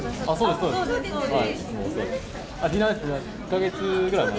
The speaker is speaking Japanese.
１か月ぐらい前。